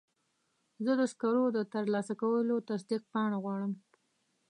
زه د سکرو د ترلاسه کولو تصدیق پاڼه غواړم.